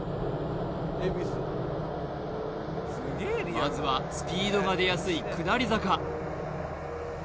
まずはスピードが出やすい下り坂